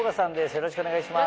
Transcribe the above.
よろしくお願いします。